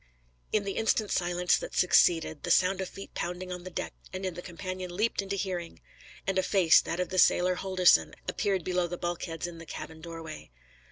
In the instant silence that succeeded, the sound of feet pounding on the deck and in the companion leaped into hearing; and a face, that of the sailor Holdorsen, appeared below the bulkheads in the cabin doorway.